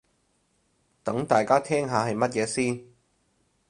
等大家聽下係乜嘢先